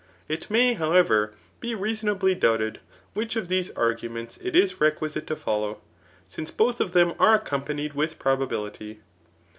It may, however, be reasonably doubted, which of these argtiments it is requisite to follow, since both of them are accompanied with probability.